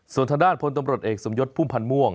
ส่วนทางด้านพลตำรวจเอกสมยศพุ่มพันธ์ม่วง